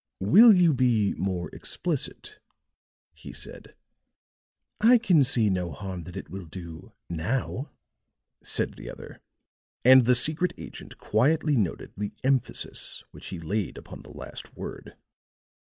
"Will you be more explicit?" he said. "I can see no harm that it will do now," said the other, and the secret agent quietly noted the emphasis which he laid upon the last word.